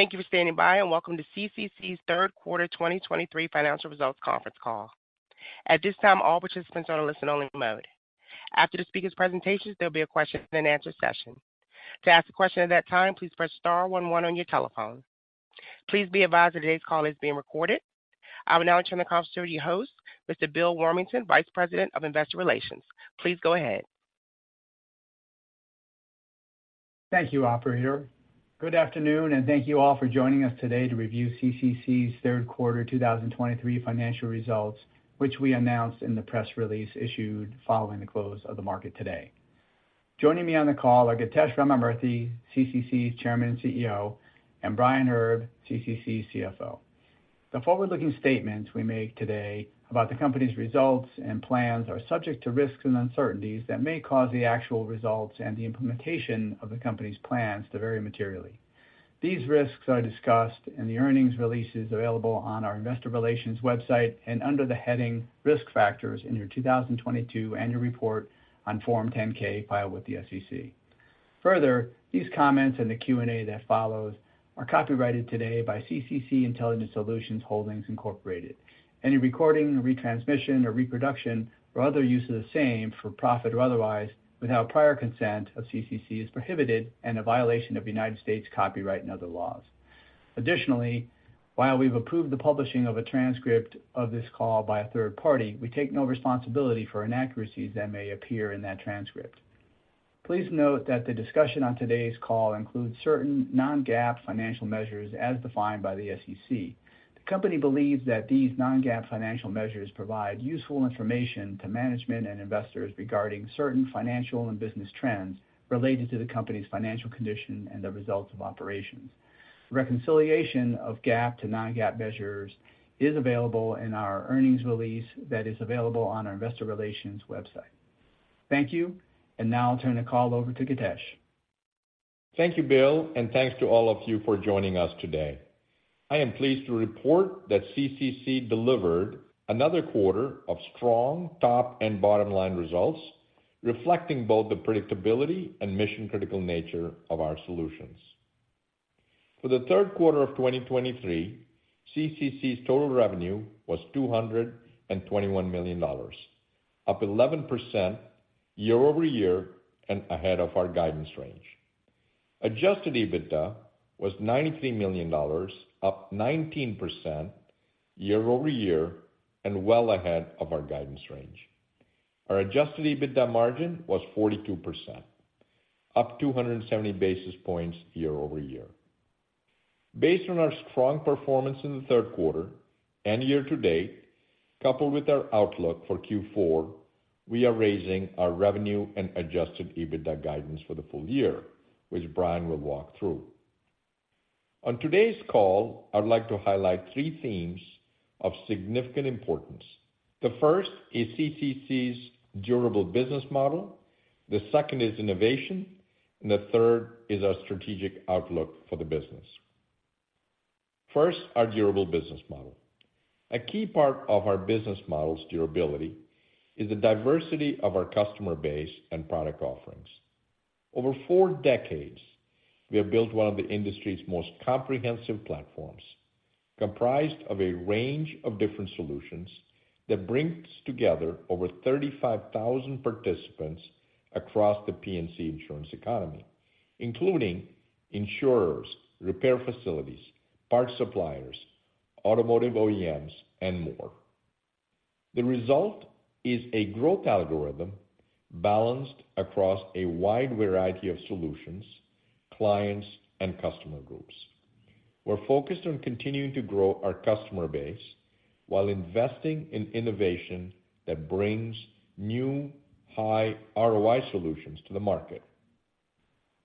Thank you for standing by, and welcome to CCC's third quarter 2023 financial results conference call. At this time, all participants are on a listen-only mode. After the speaker's presentations, there'll be a question and answer session. To ask a question at that time, please press star one one on your telephone. Please be advised that today's call is being recorded. I will now turn the conference to your host, Mr. Bill Warmington, Vice President of Investor Relations. Please go ahead. Thank you, operator. Good afternoon, and thank you all for joining us today to review CCC's third quarter 2023 financial results, which we announced in the press release issued following the close of the market today. Joining me on the call are Githesh Ramamurthy, CCC's Chairman and CEO, and Brian Herb, CCC's CFO. The forward-looking statements we make today about the company's results and plans are subject to risks and uncertainties that may cause the actual results and the implementation of the company's plans to vary materially. These risks are discussed in the earnings releases available on our investor relations website and under the heading Risk Factors in your 2022 Annual Report on Form 10-K filed with the SEC. Further, these comments and the Q&A that follows are copyrighted today by CCC Intelligent Solutions Holdings, Incorporated. Any recording, retransmission, or reproduction or other use of the same, for profit or otherwise, without prior consent of CCC is prohibited and a violation of United States copyright and other laws. Additionally, while we've approved the publishing of a transcript of this call by a third party, we take no responsibility for inaccuracies that may appear in that transcript. Please note that the discussion on today's call includes certain non-GAAP financial measures as defined by the SEC. The company believes that these non-GAAP financial measures provide useful information to management and investors regarding certain financial and business trends related to the company's financial condition and the results of operations. Reconciliation of GAAP to non-GAAP measures is available in our earnings release that is available on our investor relations website. Thank you, and now I'll turn the call over to Githesh. Thank you, Bill, and thanks to all of you for joining us today. I am pleased to report that CCC delivered another quarter of strong top and bottom-line results, reflecting both the predictability and mission-critical nature of our solutions. For the third quarter of 2023, CCC's total revenue was $221 million, up 11% year-over-year and ahead of our guidance range. Adjusted EBITDA was $93 million, up 19% year-over-year and well ahead of our guidance range. Our adjusted EBITDA margin was 42%, up 270 basis points year-over-year. Based on our strong performance in the third quarter and year to date, coupled with our outlook for Q4, we are raising our revenue and adjusted EBITDA guidance for the full year, which Brian will walk through. On today's call, I'd like to highlight three themes of significant importance. The first is CCC's durable business model, the second is innovation, and the third is our strategic outlook for the business. First, our durable business model. A key part of our business model's durability is the diversity of our customer base and product offerings. Over four decades, we have built one of the industry's most comprehensive platforms, comprised of a range of different solutions that brings together over 35,000 participants across the P&C insurance economy, including insurers, repair facilities, parts suppliers, automotive OEMs, and more. The result is a growth algorithm balanced across a wide variety of solutions, clients, and customer groups. We're focused on continuing to grow our customer base while investing in innovation that brings new high ROI solutions to the market.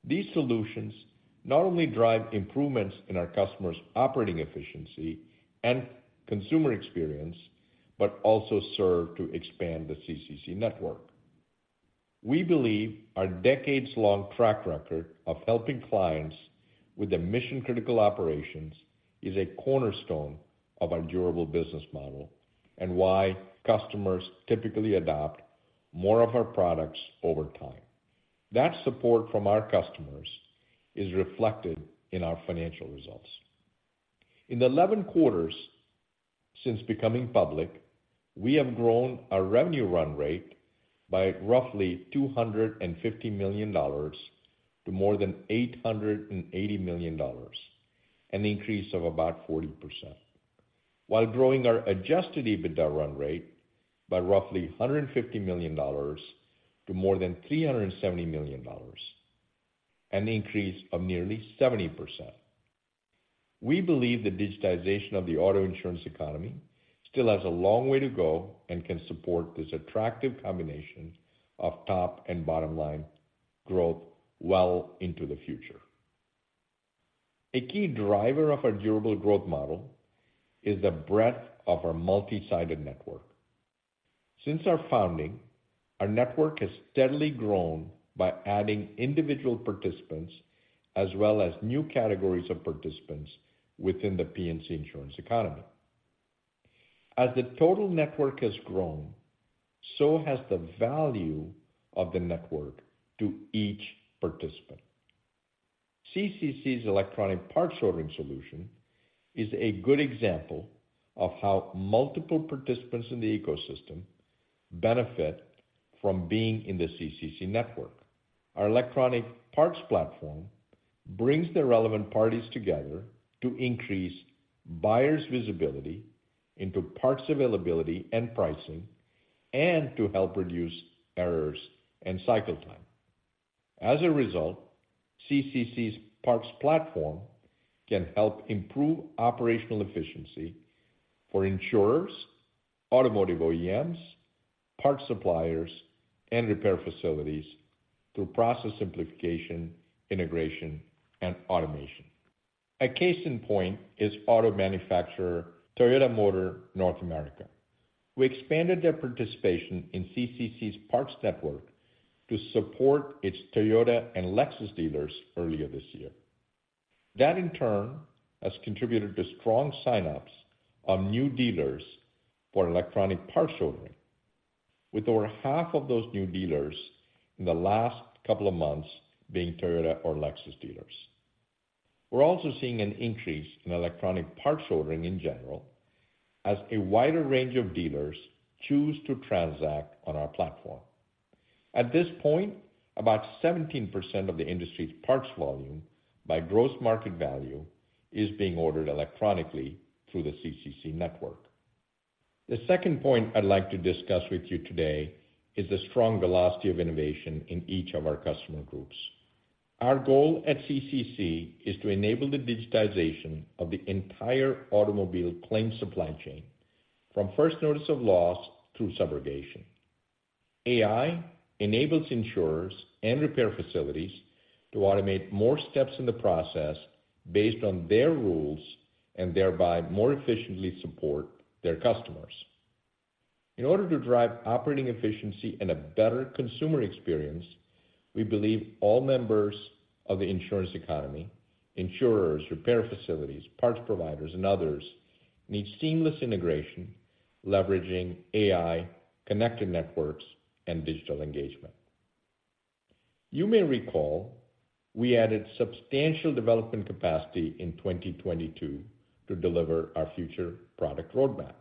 These solutions not only drive improvements in our customers' operating efficiency and consumer experience, but also serve to expand the CCC network. We believe our decades-long track record of helping clients with their mission-critical operations is a cornerstone of our durable business model and why customers typically adopt more of our products over time. That support from our customers is reflected in our financial results. In the 11 quarters since becoming public, we have grown our revenue run rate by roughly $250 million to more than $880 million, an increase of about 40%, while growing our adjusted EBITDA run rate by roughly $150 million to more than $370 million, an increase of nearly 70%. We believe the digitization of the auto insurance economy still has a long way to go and can support this attractive combination of top and bottom-line growth well into the future. A key driver of our durable growth model is the breadth of our multi-sided network. Since our founding, our network has steadily grown by adding individual participants as well as new categories of participants within the P&C insurance economy. As the total network has grown, so has the value of the network to each participant. CCC's electronic parts ordering solution is a good example of how multiple participants in the ecosystem benefit from being in the CCC network. Our electronic parts platform brings the relevant parties together to increase buyers' visibility into parts availability and pricing, and to help reduce errors and cycle time. As a result, CCC's parts platform can help improve operational efficiency for insurers, automotive OEMs, parts suppliers, and repair facilities through process simplification, integration, and automation. A case in point is auto manufacturer Toyota Motor North America, who expanded their participation in CCC's parts network to support its Toyota and Lexus dealers earlier this year. That, in turn, has contributed to strong sign-ups of new dealers for electronic parts ordering, with over half of those new dealers in the last couple of months being Toyota or Lexus dealers. We're also seeing an increase in electronic parts ordering in general, as a wider range of dealers choose to transact on our platform. At this point, about 17% of the industry's parts volume by gross market value is being ordered electronically through the CCC network. The second point I'd like to discuss with you today is the strong velocity of innovation in each of our customer groups. Our goal at CCC is to enable the digitization of the entire automobile claims supply chain, from first notice of loss through subrogation. AI enables insurers and repair facilities to automate more steps in the process based on their rules, and thereby more efficiently support their customers. In order to drive operating efficiency and a better consumer experience, we believe all members of the insurance economy, insurers, repair facilities, parts providers, and others, need seamless integration, leveraging AI, connected networks, and digital engagement. You may recall, we added substantial development capacity in 2022 to deliver our future product roadmap.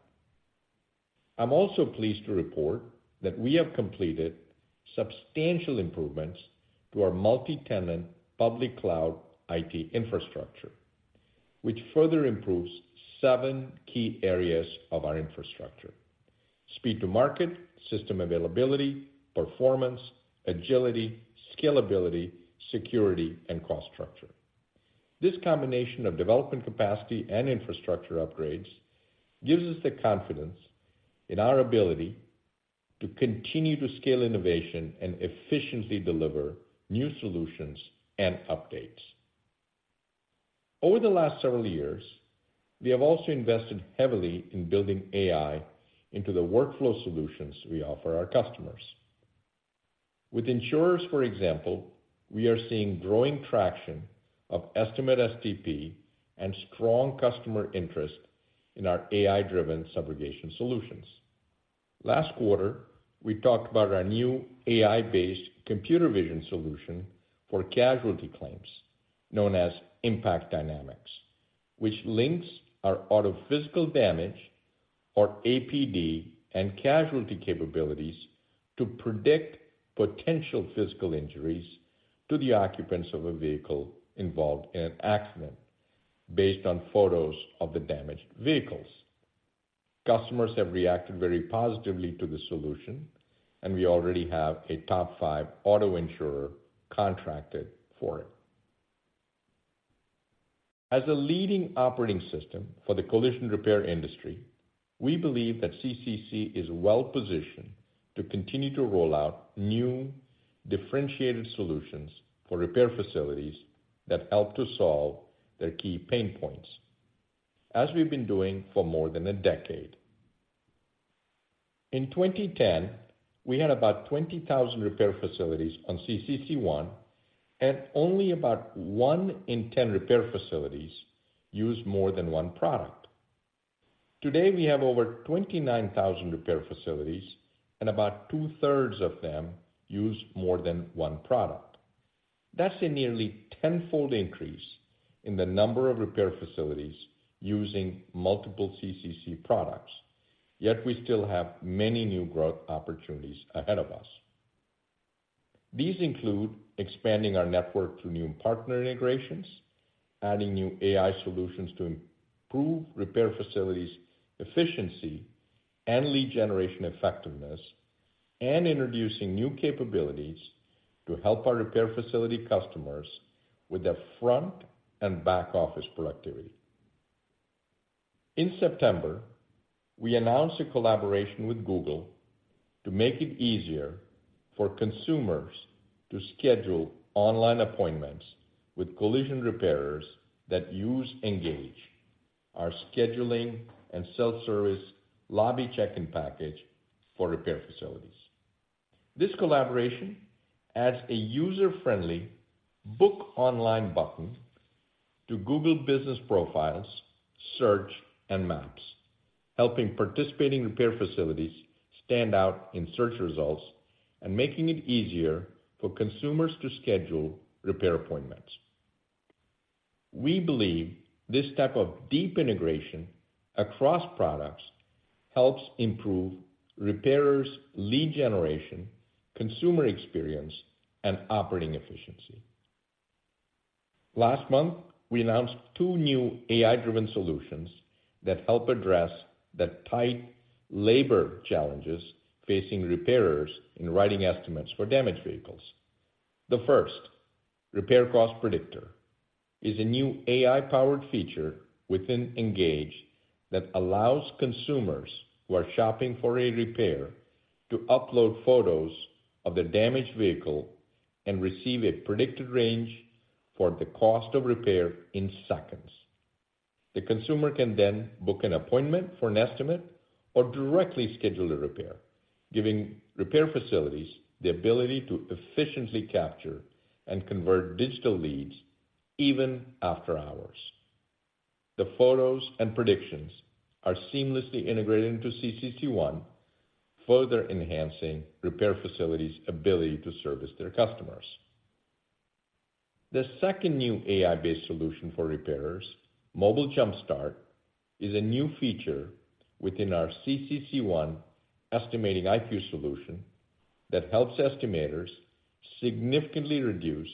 I'm also pleased to report that we have completed substantial improvements to our multi-tenant public cloud IT infrastructure, which further improves seven key areas of our infrastructure: speed to market, system availability, performance, agility, scalability, security, and cost structure. This combination of development capacity and infrastructure upgrades gives us the confidence in our ability to continue to scale innovation and efficiently deliver new solutions and updates. Over the last several years, we have also invested heavily in building AI into the workflow solutions we offer our customers. With insurers, for example, we are seeing growing Estimate–STP and strong customer interest in our AI-driven subrogation solutions. Last quarter, we talked about our new AI-based computer vision solution for casualty claims, known as Impact Dynamics, which links our Auto Physical Damage or APD and casualty capabilities to predict potential physical injuries to the occupants of a vehicle involved in an accident, based on photos of the damaged vehicles. Customers have reacted very positively to the solution, and we already have a top five auto insurer contracted for it. As a leading operating system for the collision repair industry, we believe that CCC is well positioned to continue to roll out new, differentiated solutions for repair facilities that help to solve their key pain points, as we've been doing for more than a decade. In 2010, we had about 20,000 repair facilities on CCC ONE, and only about one in 10 repair facilities used more than one product. Today, we have over 29,000 repair facilities, and about 2/3 of them use more than one product. That's a nearly tenfold increase in the number of repair facilities using multiple CCC products, yet we still have many new growth opportunities ahead of us. These include expanding our network through new partner integrations, adding new AI solutions to improve repair facilities' efficiency and lead generation effectiveness, and introducing new capabilities to help our repair facility customers with their front and back-office productivity. In September, we announced a collaboration with Google to make it easier for consumers to schedule online appointments with collision repairers that use Engage, our scheduling and self-service lobby check-in package for repair facilities. This collaboration adds a user-friendly Book Online button to Google Business Profiles, Search, and Maps, helping participating repair facilities stand out in search results and making it easier for consumers to schedule repair appointments. We believe this type of deep integration across products helps improve repairers' lead generation, consumer experience, and operating efficiency. Last month, we announced two new AI-driven solutions that help address the tight labor challenges facing repairers in writing estimates for damaged vehicles. The first, Repair Cost Predictor, is a new AI-powered feature within Engage that allows consumers who are shopping for a repair to upload photos of the damaged vehicle and receive a predicted range for the cost of repair in seconds. The consumer can then book an appointment for an estimate or directly schedule a repair, giving repair facilities the ability to efficiently capture and convert digital leads even after hours. The photos and predictions are seamlessly integrated into CCC ONE, further enhancing repair facilities' ability to service their customers. The second new AI-based solution for repairers, Mobile Jumpstart, is a new feature within our CCC ONE Estimating-IQ solution that helps estimators significantly reduce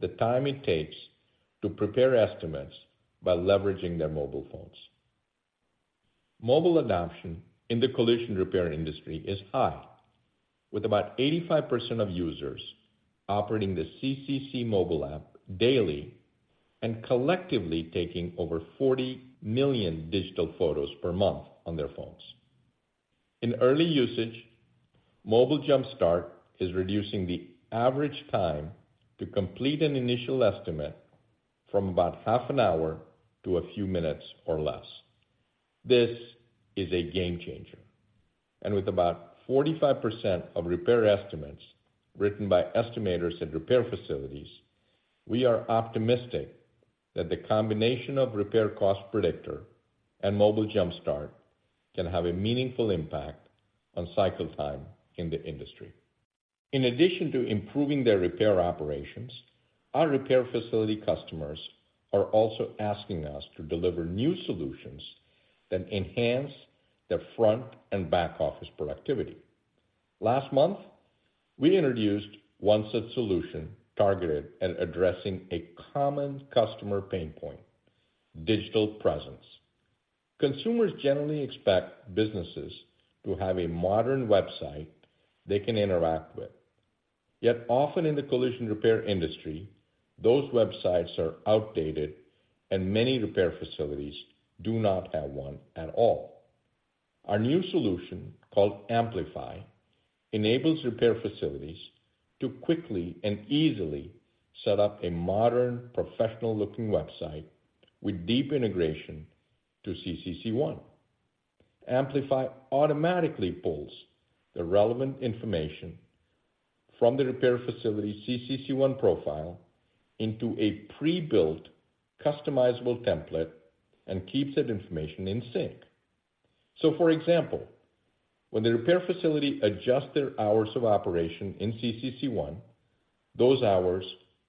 the time it takes to prepare estimates by leveraging their mobile phones. Mobile adoption in the collision repair industry is high, with about 85% of users operating the CCC Mobile app daily and collectively taking over 40 million digital photos per month on their phones. In early usage, Mobile Jumpstart is reducing the average time to complete an initial estimate from about half an hour to a few minutes or less. This is a game changer, and with about 45% of repair estimates written by estimators at repair facilities, we are optimistic that the combination of Repair Cost Predictor and Mobile Jumpstart can have a meaningful impact on cycle time in the industry. In addition to improving their repair operations, our repair facility customers are also asking us to deliver new solutions that enhance their front and back office productivity. Last month, we introduced one such solution targeted at addressing a common customer pain point: digital presence. Consumers generally expect businesses to have a modern website they can interact with. Yet often in the collision repair industry, those websites are outdated, and many repair facilities do not have one at all. Our new solution, called Amplify, enables repair facilities to quickly and easily set up a modern, professional-looking website with deep integration to CCC ONE. Amplify automatically pulls the relevant information from the repair facility's CCC ONE profile into a pre-built, customizable template and keeps that information in sync. So, for example, when the repair facility adjusts their hours of operation in CCC ONE, those hours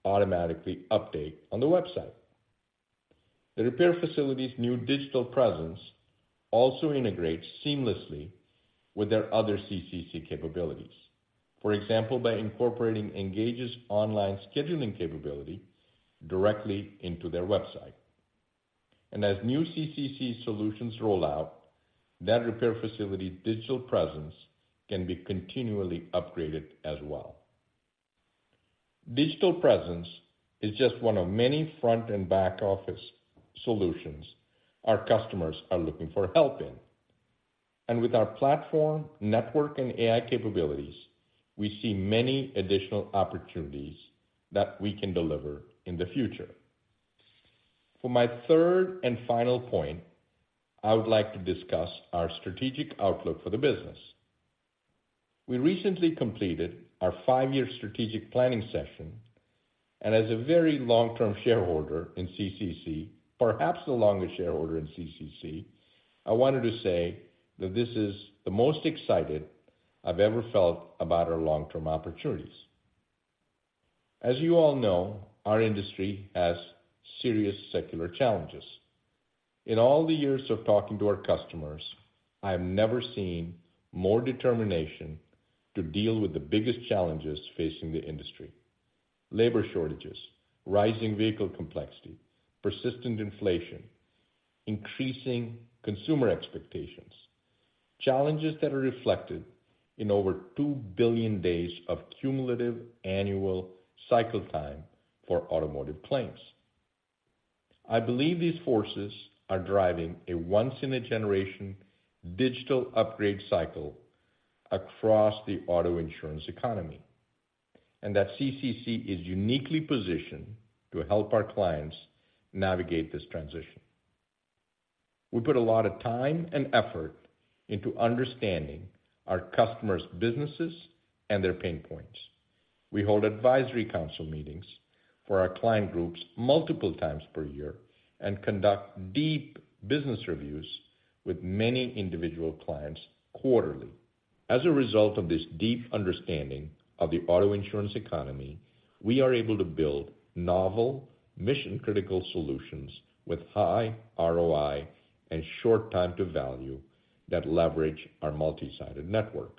automatically update on the website. The repair facility's new digital presence also integrates seamlessly with their other CCC capabilities. For example, by incorporating Engage's online scheduling capability directly into their website. As new CCC solutions roll out, that repair facility's digital presence can be continually upgraded as well. Digital presence is just one of many front and back office solutions our customers are looking for help in, and with our platform, network, and AI capabilities, we see many additional opportunities that we can deliver in the future. For my third and final point, I would like to discuss our strategic outlook for the business. We recently completed our five-year strategic planning session, and as a very long-term shareholder in CCC, perhaps the longest shareholder in CCC, I wanted to say that this is the most excited I've ever felt about our long-term opportunities. As you all know, our industry has serious secular challenges. In all the years of talking to our customers, I have never seen more determination to deal with the biggest challenges facing the industry: labor shortages, rising vehicle complexity, persistent inflation, increasing consumer expectations, challenges that are reflected in over two billion days of cumulative annual cycle time for automotive claims. I believe these forces are driving a once-in-a-generation digital upgrade cycle across the auto insurance economy, and that CCC is uniquely positioned to help our clients navigate this transition. We put a lot of time and effort into understanding our customers' businesses and their pain points. We hold advisory council meetings for our client groups multiple times per year, and conduct deep business reviews with many individual clients quarterly. As a result of this deep understanding of the auto insurance economy, we are able to build novel, mission-critical solutions with high ROI and short time to value that leverage our multi-sided network.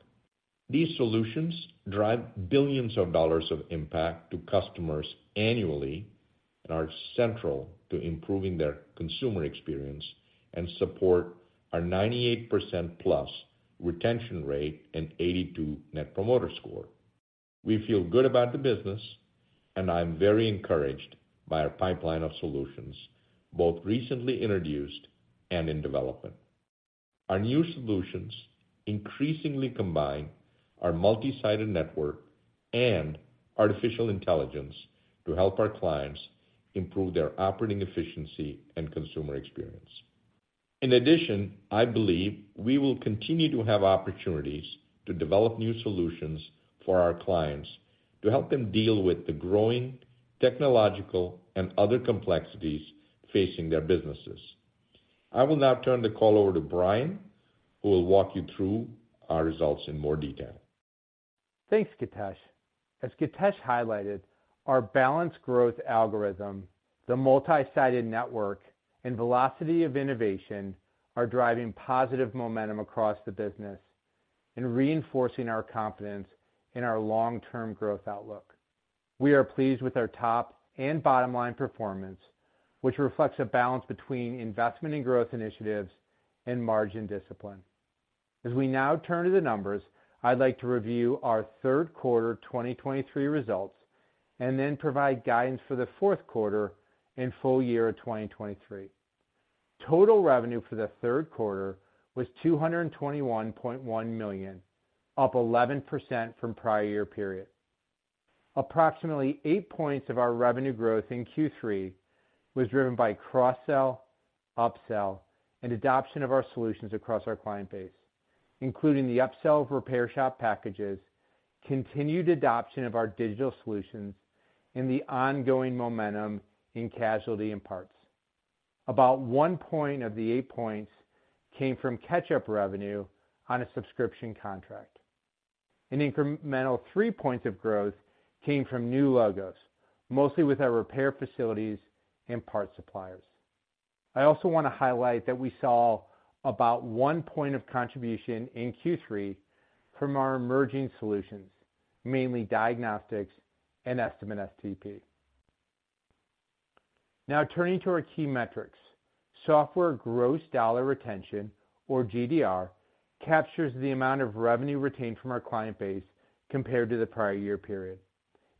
These solutions drive billions of dollars of impact to customers annually, and are central to improving their consumer experience, and support our 98%+ retention rate and 82 Net Promoter Score. We feel good about the business, and I'm very encouraged by our pipeline of solutions, both recently introduced and in development. Our new solutions increasingly combine our multi-sided network and artificial intelligence to help our clients improve their operating efficiency and consumer experience. In addition, I believe we will continue to have opportunities to develop new solutions for our clients, to help them deal with the growing technological and other complexities facing their businesses. I will now turn the call over to Brian, who will walk you through our results in more detail. Thanks, Githesh. As Githesh highlighted, our balanced growth algorithm, the multi-sided network, and velocity of innovation, are driving positive momentum across the business and reinforcing our confidence in our long-term growth outlook. We are pleased with our top and bottom line performance, which reflects a balance between investment in growth initiatives and margin discipline. As we now turn to the numbers, I'd like to review our third quarter 2023 results, and then provide guidance for the fourth quarter and full year of 2023. Total revenue for the third quarter was $221.1 million, up 11% from prior year period. Approximately eigth points of our revenue growth in Q3 was driven by cross-sell, upsell, and adoption of our solutions across our client base, including the upsell of repair shop packages, continued adoption of our digital solutions, and the ongoing momentum in casualty and parts. About one point of the eight points came from catch-up revenue on a subscription contract. An incremental three points of growth came from new logos, mostly with our repair facilities and parts suppliers. I also want to highlight that we saw about one point of contribution in Q3 from our emerging solutions, mainly Diagnostics and Estimate–STP. Now, turning to our key metrics. Software Gross Dollar Retention, or GDR, captures the amount of revenue retained from our client base compared to the prior year period.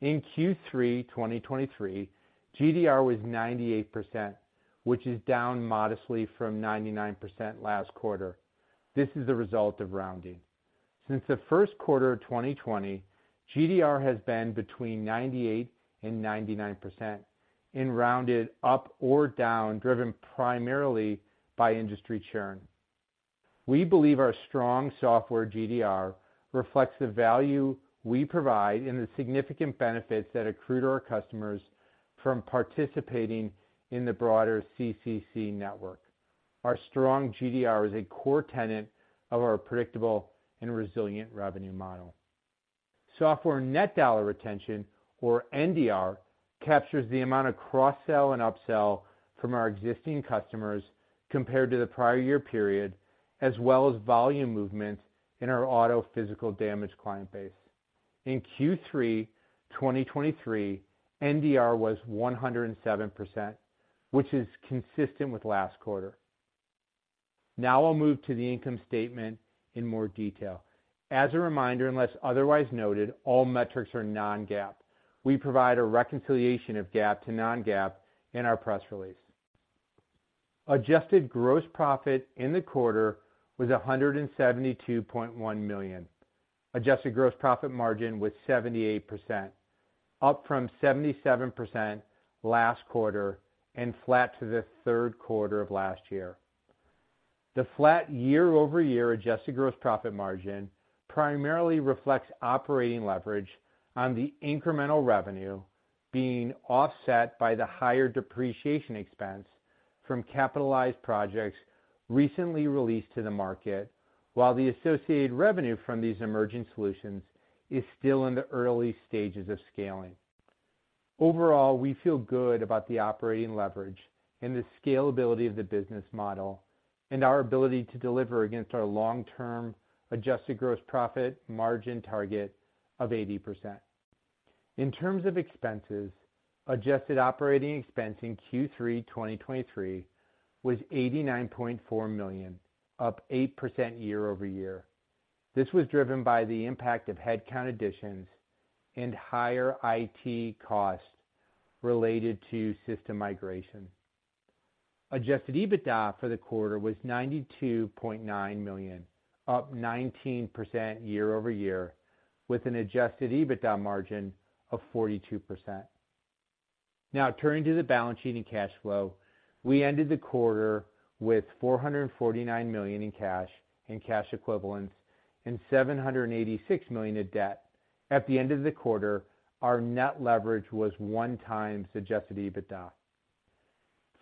In Q3 2023, GDR was 98%, which is down modestly from 99% last quarter. This is a result of rounding. Since the first quarter of 2020, GDR has been between 98% and 99% in rounded up or down, driven primarily by industry churn. We believe our strong software GDR reflects the value we provide and the significant benefits that accrue to our customers from participating in the broader CCC network. Our strong GDR is a core tenet of our predictable and resilient revenue model. Software Net Dollar Retention, or NDR, captures the amount of cross-sell and upsell from our existing customers compared to the prior year period, as well as volume movement in our Auto Physical Damage client base. In Q3 2023, NDR was 107%, which is consistent with last quarter. Now I'll move to the income statement in more detail. As a reminder, unless otherwise noted, all metrics are non-GAAP. We provide a reconciliation of GAAP to non-GAAP in our press release. Adjusted gross profit in the quarter was $172.1 million. Adjusted gross profit margin was 78%, up from 77% last quarter, and flat to the third quarter of last year. The flat year-over-year adjusted gross profit margin primarily reflects operating leverage on the incremental revenue being offset by the higher depreciation expense from capitalized projects recently released to the market, while the associated revenue from these emerging solutions is still in the early stages of scaling. Overall, we feel good about the operating leverage and the scalability of the business model, and our ability to deliver against our long-term adjusted gross profit margin target of 80%. In terms of expenses, adjusted operating expense in Q3 2023 was $89.4 million, up 8% year-over-year. This was driven by the impact of headcount additions and higher IT costs related to system migration. Adjusted EBITDA for the quarter was $92.9 million, up 19% year-over-year, with an adjusted EBITDA margin of 42%. Now turning to the balance sheet and cash flow. We ended the quarter with $449 million in cash and cash equivalents and $786 million in debt. At the end of the quarter, our net leverage was 1x adjusted EBITDA.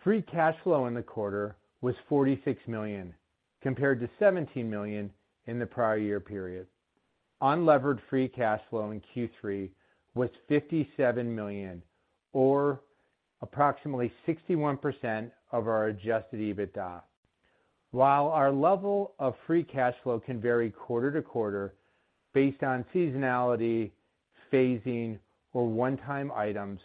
Free cash flow in the quarter was $46 million, compared to $17 million in the prior year period. Unlevered free cash flow in Q3 was $57 million, or approximately 61% of our adjusted EBITDA. While our level of free cash flow can vary quarter-to-quarter based on seasonality, phasing, or one-time items,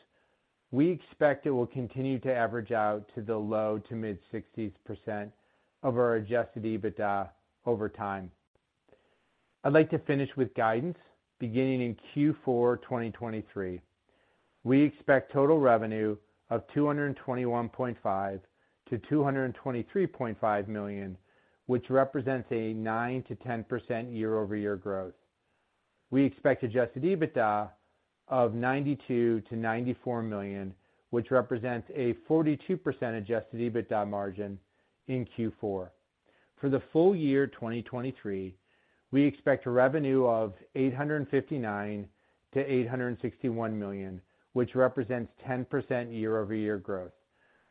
we expect it will continue to average out to the low-to-mid-60s% of our adjusted EBITDA over time. I'd like to finish with guidance beginning in Q4 2023. We expect total revenue of $221.5 million-$223.5 million, which represents 9%-10% year-over-year growth. We expect adjusted EBITDA of $92 million-$94 million, which represents a 42% adjusted EBITDA margin in Q4. For the full year 2023, we expect revenue of $859 million-$861 million, which represents 10% year-over-year growth.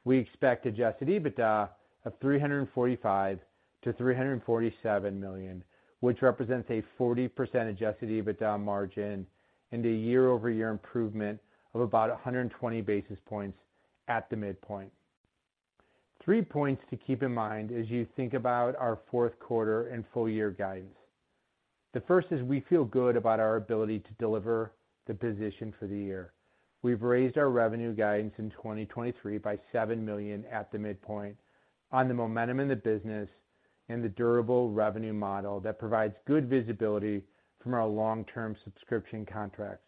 We expect adjusted EBITDA of $345 million-$347 million, which represents a 40% adjusted EBITDA margin and a year-over-year improvement of about 120 basis points at the midpoint. Three points to keep in mind as you think about our fourth quarter and full year guidance. The first is we feel good about our ability to deliver the position for the year. We've raised our revenue guidance in 2023 by $7 million at the midpoint on the momentum in the business and the durable revenue model that provides good visibility from our long-term subscription contracts.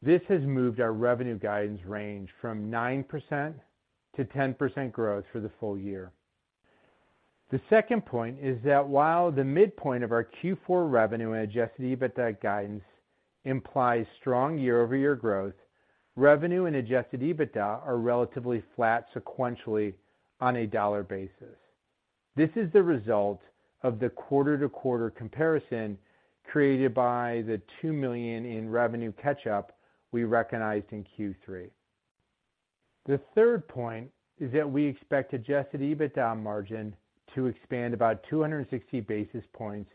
This has moved our revenue guidance range from 9%-10% growth for the full year. The second point is that while the midpoint of our Q4 revenue and adjusted EBITDA guidance implies strong year-over-year growth, revenue and adjusted EBITDA are relatively flat sequentially on a dollar basis. This is the result of the quarter-to-quarter comparison created by the $2 million in revenue catch-up we recognized in Q3. The third point is that we expect adjusted EBITDA margin to expand about 260 basis points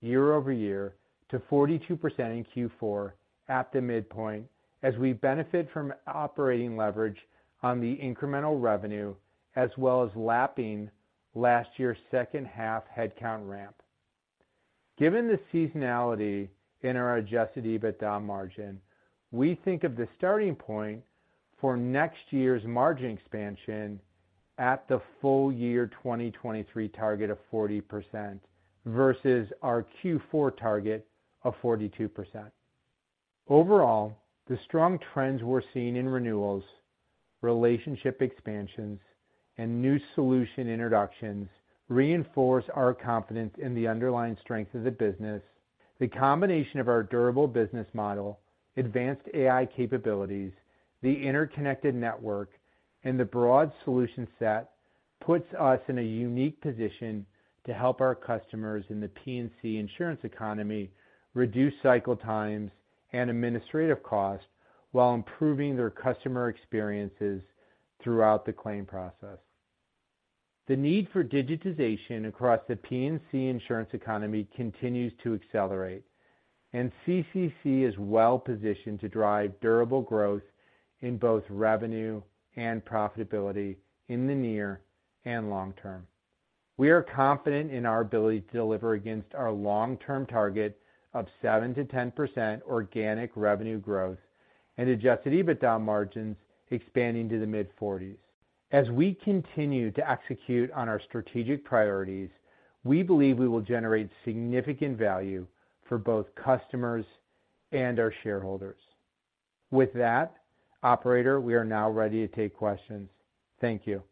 year-over-year to 42% in Q4 at the midpoint, as we benefit from operating leverage on the incremental revenue, as well as lapping last year's second half headcount ramp. Given the seasonality in our adjusted EBITDA margin, we think of the starting point for next year's margin expansion at the full year 2023 target of 40% versus our Q4 target of 42%. Overall, the strong trends we're seeing in renewals, relationship expansions, and new solution introductions reinforce our confidence in the underlying strength of the business. The combination of our durable business model, advanced AI capabilities, the interconnected network, and the broad solution set puts us in a unique position to help our customers in the P&C insurance economy reduce cycle times and administrative costs while improving their customer experiences throughout the claim process. The need for digitization across the P&C insurance economy continues to accelerate, and CCC is well positioned to drive durable growth in both revenue and profitability in the near and long term. We are confident in our ability to deliver against our long-term target of 7%-10% organic revenue growth and adjusted EBITDA margins expanding to the mid-40s%. As we continue to execute on our strategic priorities, we believe we will generate significant value for both customers and our shareholders. With that, operator, we are now ready to take questions. Thank you.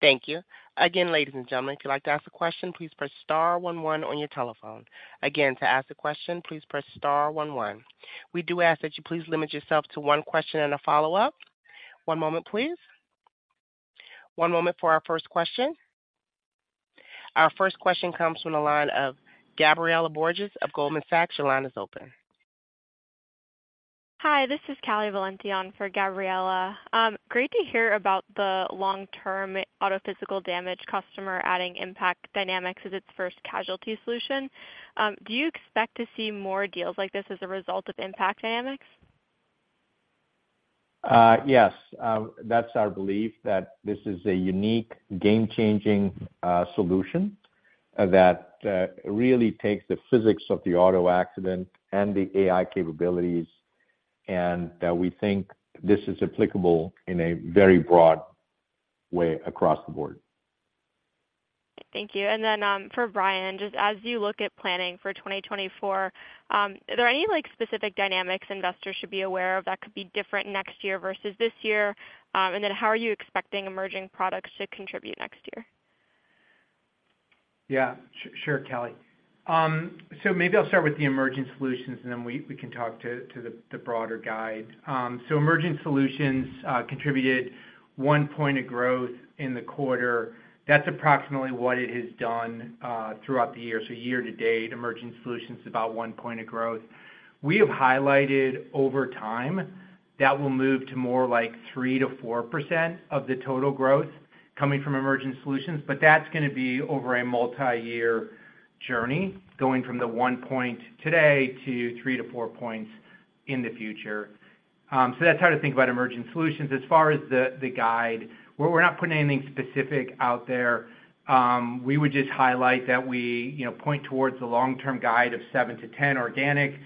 Thank you. Again, ladies and gentlemen, if you'd like to ask a question, please press star one one on your telephone. Again, to ask a question, please press star one one. We do ask that you please limit yourself to one question and a follow-up. One moment, please. One moment for our first question. Our first question comes from the line of Gabriela Borges of Goldman Sachs. Your line is open. Hi, this is Callie Valenti for Gabriela. Great to hear about the long-term Auto Physical Damage customer adding Impact Dynamics as its first casualty solution. Do you expect to see more deals like this as a result of Impact Dynamics? Yes. That's our belief that this is a unique, game-changing solution that really takes the physics of the auto accident and the AI capabilities, and that we think this is applicable in a very broad way across the board. Thank you. And then, for Brian, just as you look at planning for 2024, are there any, like, specific dynamics investors should be aware of that could be different next year versus this year? And then how are you expecting emerging products to contribute next year? Yeah, sure, sure, Callie. So maybe I'll start with the emerging solutions, and then we can talk to the broader guide. So emerging solutions contributed one point of growth in the quarter. That's approximately what it has done throughout the year. So year to date, emerging solutions, about one point of growth. We have highlighted over time, that will move to more like 3%-4% of the total growth coming from emerging solutions, but that's gonna be over a multi-year journey, going from the one point today to three-four points in the future. So that's how to think about emerging solutions. As far as the guide, well, we're not putting anything specific out there. We would just highlight that we, you know, point towards the long-term guide of seven-10 organic.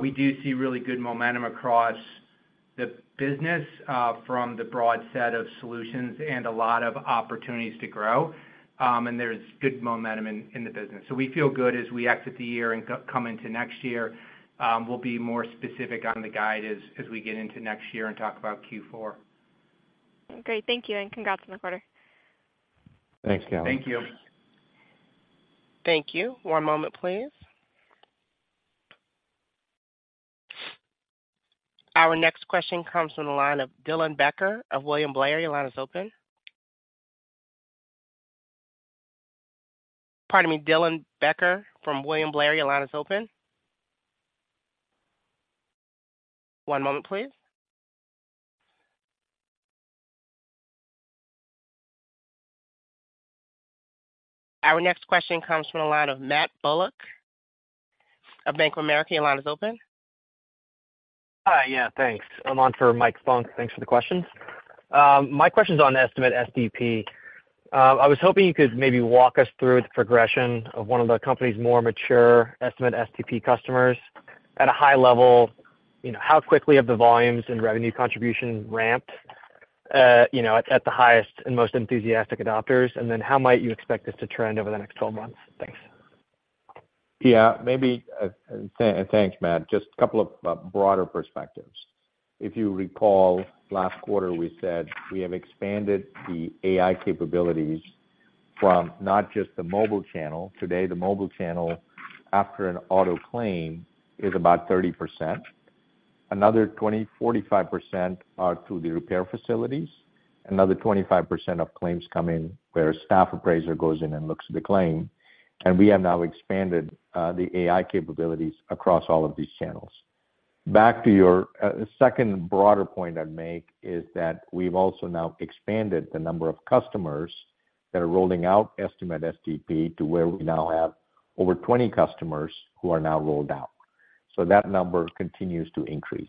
We do see really good momentum across the business from the broad set of solutions and a lot of opportunities to grow. And there's good momentum in the business. So we feel good as we exit the year and come into next year. We'll be more specific on the guide as we get into next year and talk about Q4. Great. Thank you, and congrats on the quarter. Thanks, Callie. Thank you. Thank you. One moment, please. Our next question comes from the line of Dylan Becker of William Blair. Your line is open. Pardon me, Dylan Becker from William Blair, your line is open. One moment, please. Our next question comes from the line of Matt Bullock of Bank of America. Your line is open. Hi, yeah, thanks. I'm on for Matt Bullock. Thanks for the questions. On Estimate–STP. i was hoping you could maybe walk us through the progression of one of the company's Estimate–STP customers at a high level. You know, how quickly have the volumes and revenue contribution ramped, you know, at the highest and most enthusiastic adopters? And then how might you expect this to trend over the next 12 months? Thanks. Yeah, maybe, thanks, Matt. Just a couple of broader perspectives. If you recall, last quarter, we said we have expanded the AI capabilities from not just the mobile channel. Today, the mobile channel, after an auto claim, is about 30%. Another 20%-45% are through the repair facilities. Another 25% of claims come in where a staff appraiser goes in and looks at the claim, and we have now expanded the AI capabilities across all of these channels. Back to your second broader point I'd make, is that we've also now expanded the number of customers that are Estimate–STP, to where we now have over 20 customers who are now rolled out. So that number continues to increase.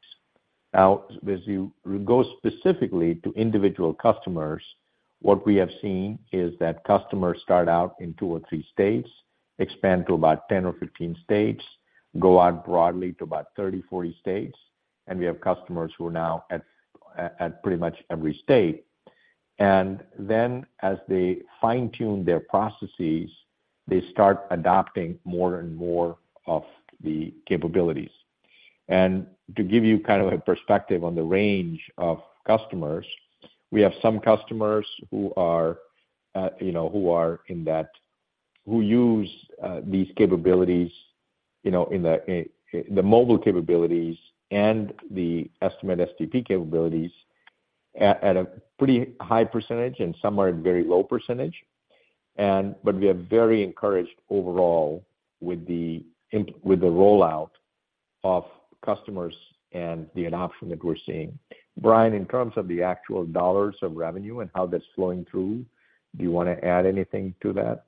Now, as you go specifically to individual customers, what we have seen is that customers start out in two or three states, expand to about 10 or 15 states, go out broadly to about 30, 40 states, and we have customers who are now at pretty much every state. And then, as they fine-tune their processes, they start adopting more and more of the capabilities. And to give you kind of a perspective on the range of customers, we have some customers who are, you know, who use these capabilities, you know, in the the mobile capabilities Estimate–STP capabilities at a pretty high percentage, and some are at very low percentage. And but we are very encouraged overall with the rollout of customers and the adoption that we're seeing. Brian, in terms of the actual dollars of revenue and how that's flowing through, do you want to add anything to that?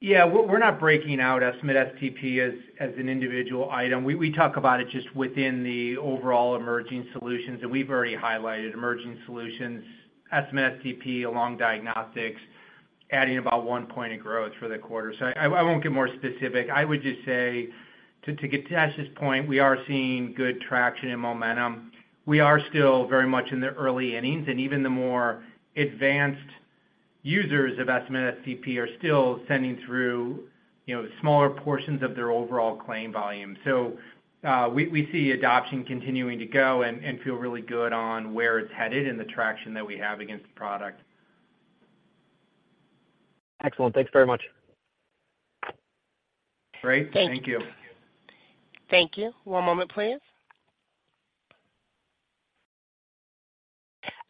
Yeah. We're not breaking out Estimate–STP as an individual item. We talk about it just within the overall emerging solutions, and we've already highlighted Estimate–STP, along Diagnostics, adding about one point of growth for the quarter. So I won't get more specific. I would just say, to Githesh's point, we are seeing good traction and momentum. We are still very much in the early innings, and even the more advanced Estimate–STP are still sending through, you know, smaller portions of their overall claim volume. So, we see adoption continuing to go and feel really good on where it's headed and the traction that we have against the product. Excellent. Thanks very much. Great. Thank you. Thank you. Thank you. One moment, please.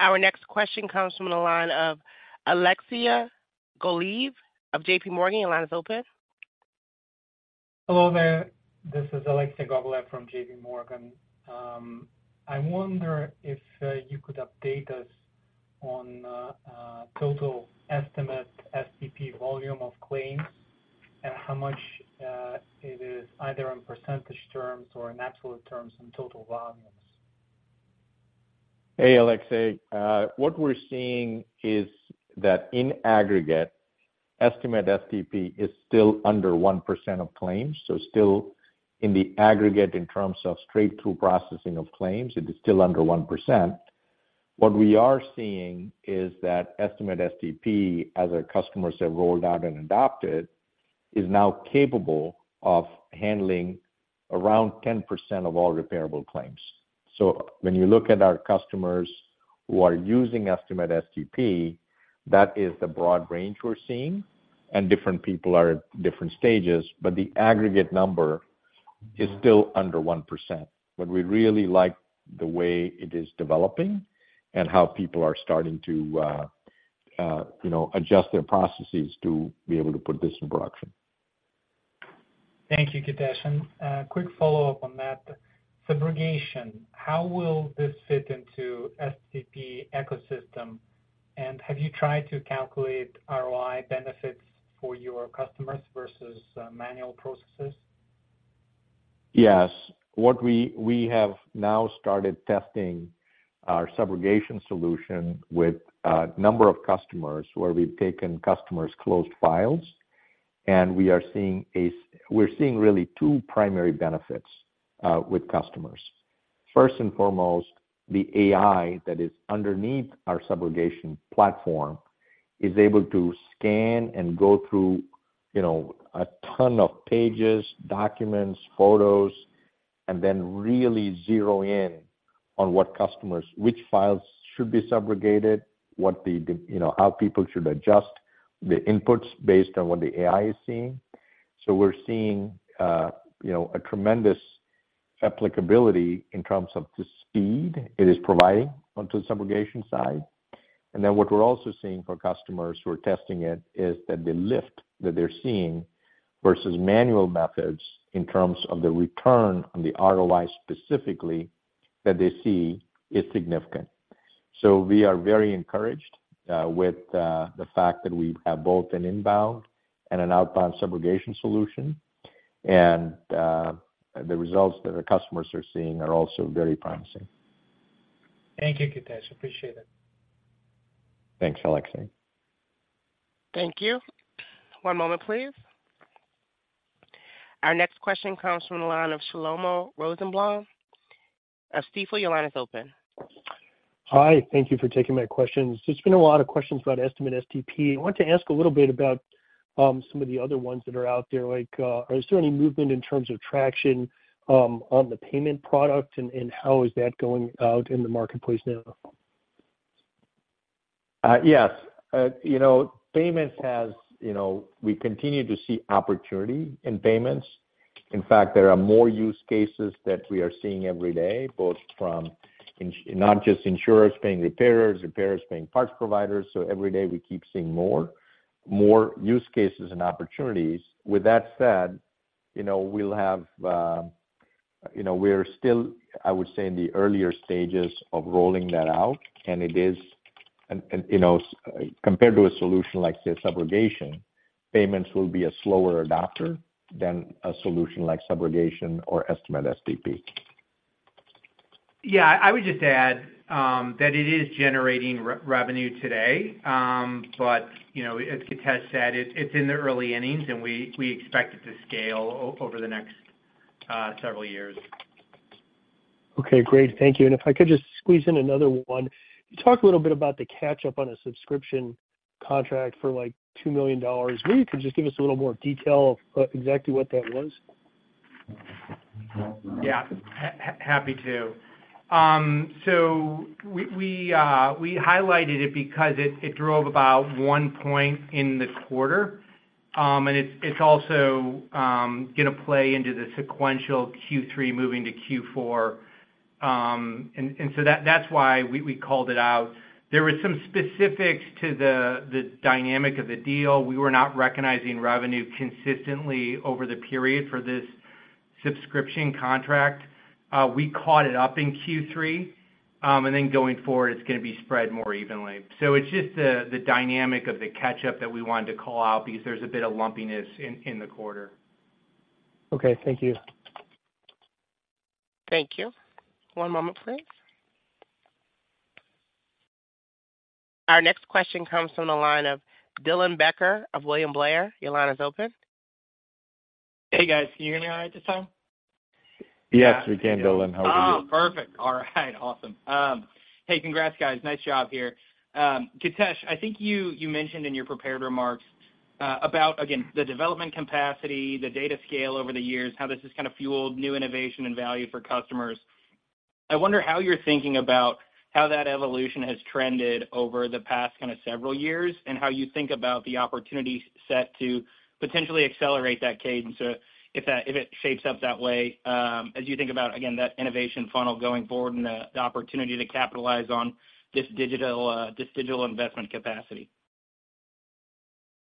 Our next question comes from the line of Alexei Gogolev of JPMorgan. Your line is open. Hello there, this is Alexei Gogolev from JPMorgan. I wonder if you could update us on total Estimate–STP volume of claims, and how much it is either in percentage terms or in absolute terms in total volumes? Hey, Alexei. What we're seeing is that Estimate–STP is still under 1% of claims. So still in the aggregate in terms of straight-through processing of claims, it is still under 1%. What we are seeing Estimate–STP, as our customers have rolled out and adopted, is now capable of handling around 10% of all repairable claims. So when you look at our customers who Estimate–STP, that is the broad range we're seeing, and different people are at different stages, but the aggregate number is still under 1%. But we really like the way it is developing and how people are starting to, you know, adjust their processes to be able to put this in production. Thank you, Githesh. Quick follow-up on that. Subrogation, how will this fit into STP ecosystem? And have you tried to calculate ROI benefits for your customers versus manual processes? Yes. What we have now started testing our subrogation solution with a number of customers, where we've taken customers' closed files, and we're seeing really two primary benefits with customers. First and foremost, the AI that is underneath our subrogation platform is able to scan and go through, you know, a ton of pages, documents, photos, and then really zero in on what customers, which files should be subrogated, what the, you know, how people should adjust the inputs based on what the AI is seeing. So we're seeing, you know, a tremendous applicability in terms of the speed it is providing onto the subrogation side. And then what we're also seeing for customers who are testing it is that the lift that they're seeing versus manual methods in terms of the return on the ROI, specifically, that they see is significant. We are very encouraged with the fact that we have both an inbound and an outbound subrogation solution. The results that our customers are seeing are also very promising. Thank you, Githesh. Appreciate it. Thanks, Alexei. Thank you. One moment, please. Our next question comes from the line of Shlomo Rosenbaum of Stifel. Your line is open. Hi, thank you for taking my questions. There's been a lot of Estimate–STP. i want to ask a little bit about some of the other ones that are out there, like, is there any movement in terms of traction on the payment product? And, and how is that going out in the marketplace now? Yes. You know, payments has, you know, we continue to see opportunity in payments. In fact, there are more use cases that we are seeing every day, both from not just insurers paying repairers, repairers paying parts providers, so every day we keep seeing more, more use cases and opportunities. With that said, you know, we'll have, you know, we are still, I would say, in the earlier stages of rolling that out, and it is. And, and, you know, compared to a solution like, say, subrogation, payments will be a slower adopter than a solution like subrogation or Estimate–STP. Yeah, I would just add that it is generating revenue today. But, you know, as Githesh said, it's in the early innings, and we expect it to scale over the next several years. Okay, great. Thank you. And if I could just squeeze in another one. You talked a little bit about the catch-up on a subscription contract for, like, $2 million. Maybe you could just give us a little more detail of exactly what that was? Yeah, happy to. So we highlighted it because it drove about one point in the quarter. And it’s also gonna play into the sequential Q3 moving to Q4. And so that's why we called it out. There were some specifics to the dynamic of the deal. We were not recognizing revenue consistently over the period for this subscription contract. We caught it up in Q3, and then going forward, it’s gonna be spread more evenly. So it's just the dynamic of the catch up that we wanted to call out because there's a bit of lumpiness in the quarter. Okay, thank you. Thank you. One moment, please. Our next question comes from the line of Dylan Becker of William Blair. Your line is open. Hey, guys. Can you hear me all right this time? Yes, we can, Dylan. How are you? Oh, perfect. All right, awesome. Hey, congrats, guys. Nice job here. Githesh, I think you mentioned in your prepared remarks about, again, the development capacity, the data scale over the years, how this has kind of fueled new innovation and value for customers. I wonder how you're thinking about how that evolution has trended over the past kind of several years, and how you think about the opportunity set to potentially accelerate that cadence, if that—if it shapes up that way, as you think about, again, that innovation funnel going forward and the opportunity to capitalize on this digital investment capacity.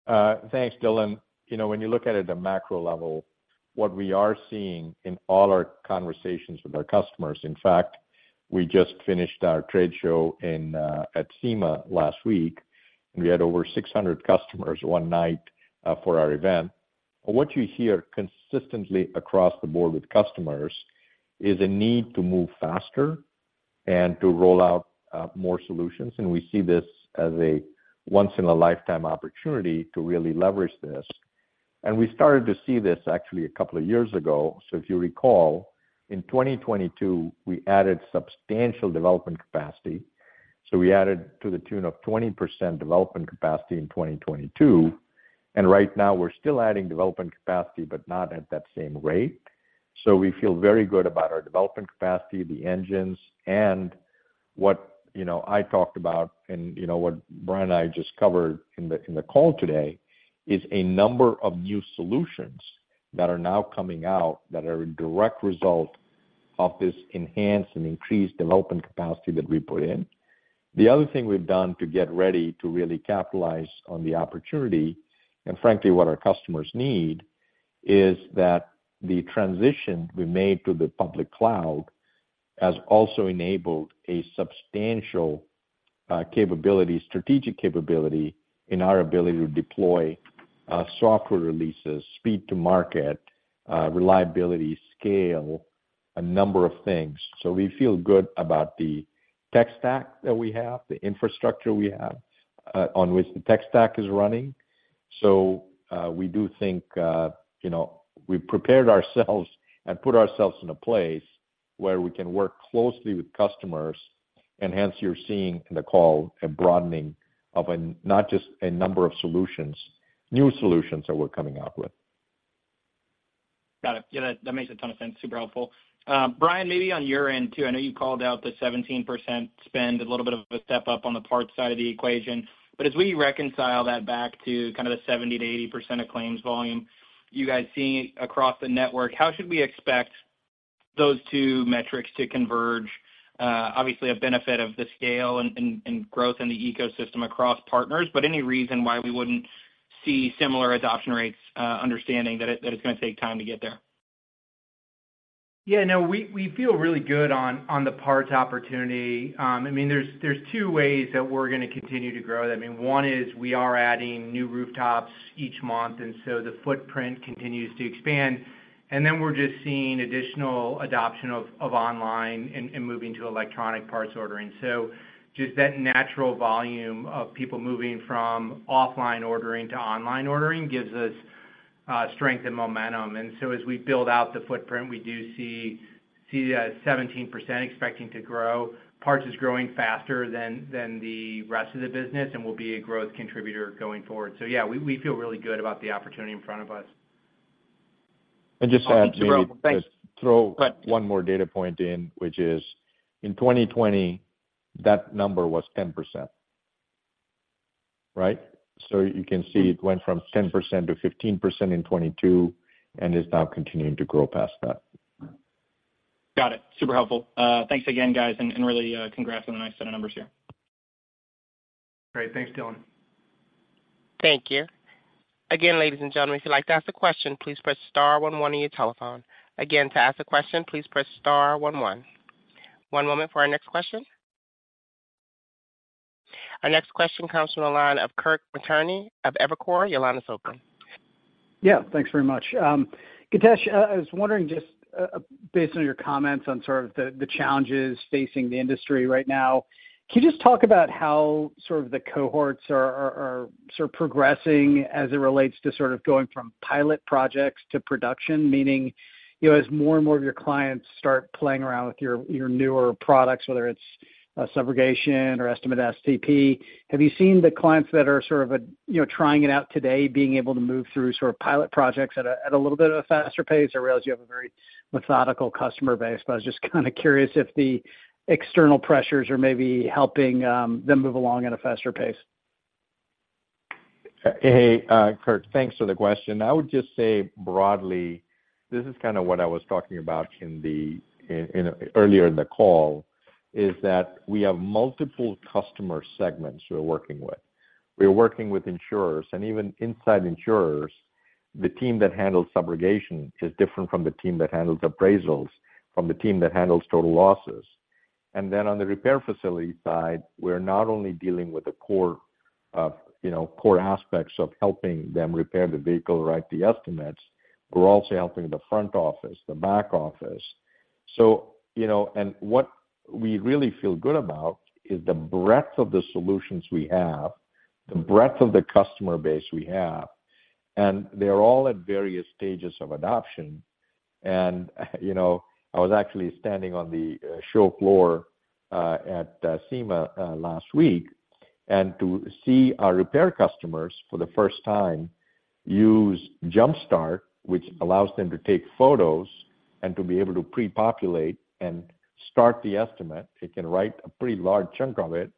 Thanks, Dylan. You know, when you look at it at a macro level, what we are seeing in all our conversations with our customers. In fact, we just finished our trade show at SEMA last week, and we had over 600 customers one night for our event. What you hear consistently across the board with customers is a need to move faster and to roll out more solutions, and we see this as a once-in-a-lifetime opportunity to really leverage this. And we started to see this actually a couple of years ago. So if you recall, in 2022, we added substantial development capacity. So we added to the tune of 20% development capacity in 2022, and right now we're still adding development capacity, but not at that same rate. So we feel very good about our development capacity, the engines, and what, you know, I talked about, and, you know, what Brian and I just covered in the, in the call today, is a number of new solutions that are now coming out that are a direct result of this enhanced and increased development capacity that we put in. The other thing we've done to get ready to really capitalize on the opportunity, and frankly, what our customers need, is that the transition we made to the public cloud has also enabled a substantial capability, strategic capability in our ability to deploy software releases, speed to market, reliability, scale, a number of things. So we feel good about the tech stack that we have, the infrastructure we have on which the tech stack is running. So, we do think, you know, we've prepared ourselves and put ourselves in a place where we can work closely with customers, and hence, you're seeing in the call a broadening of, not just a number of solutions, new solutions that we're coming out with. Got it. Yeah, that makes a ton of sense. Super helpful. Brian, maybe on your end, too, I know you called out the 17% spend, a little bit of a step up on the parts side of the equation, but as we reconcile that back to kind of the 70%-80% of claims volume you guys see across the network, how should we expect those two metrics to converge? Obviously, a benefit of the scale and growth in the ecosystem across partners, but any reason why we wouldn't see similar adoption rates, understanding that it's gonna take time to get there? Yeah, no, we feel really good on the parts opportunity. I mean, there's two ways that we're gonna continue to grow. I mean, one is we are adding new rooftops each month, and so the footprint continues to expand. And then we're just seeing additional adoption of online and moving to electronic parts ordering. So just that natural volume of people moving from offline ordering to online ordering gives us strength and momentum. And so as we build out the footprint, we do see that 17% expecting to grow. Parts is growing faster than the rest of the business and will be a growth contributor going forward. So yeah, we feel really good about the opportunity in front of us. And just to add, maybe- Thanks. Just throw one more data point in, which is in 2020, that number was 10%, right? So you can see it went from 10% to 15% in 2022, and is now continuing to grow past that. Got it. Super helpful. Thanks again, guys, and really congrats on the nice set of numbers here. Great. Thanks, Dylan. Thank you. Again, ladies and gentlemen, if you'd like to ask a question, please press star one one on your telephone. Again, to ask a question, please press star one one. One moment for our next question. Our next question comes from the line of Kirk Materne of Evercore. Your line is open. Yeah, thanks very much. Githesh, I was wondering, just, based on your comments on sort of the, the challenges facing the industry right now, can you just talk about how sort of the cohorts are, are, are sort of progressing as it relates to sort of going from pilot projects to production? Meaning, you know, as more and more of your clients start playing around with your, your newer products, whether it's, Estimate–STP, have you seen the clients that are sort of, you know, trying it out today, being able to move through sort of pilot projects at a, at a little bit of a faster pace, or realize you have a very methodical customer base? But I was just kind of curious if the external pressures are maybe helping, them move along at a faster pace. Hey, Kirk, thanks for the question. I would just say broadly, this is kind of what I was talking about earlier in the call, is that we have multiple customer segments we're working with. We're working with insurers, and even inside insurers, the team that handles subrogation is different from the team that handles appraisals, from the team that handles total losses. And then on the repair facility side, we're not only dealing with the core, you know, core aspects of helping them repair the vehicle, write the estimates, we're also helping the front office, the back office. So, you know, and what we really feel good about is the breadth of the solutions we have, the breadth of the customer base we have, and they're all at various stages of adoption. You know, I was actually standing on the show floor at SEMA last week, and to see our repair customers, for the first time, use Jumpstart, which allows them to take photos and to be able to pre-populate and start the estimate, it can write a pretty large chunk of it,